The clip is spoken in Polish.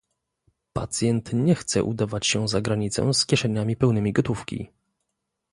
Pacjent nie chce udawać się za granicę z kieszeniami pełnymi gotówki